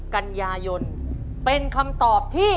กันยายนเป็นคำตอบที่